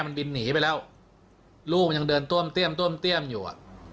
มันวิ่งหนีไปแล้ว